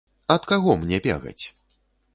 Ад каго мне бегаць?